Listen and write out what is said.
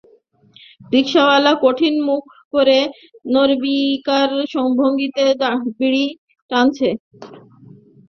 রিকশাওয়ালা কঠিন মুখ করে নির্বিকার ভঙ্গিতে বিড়ি টানছে।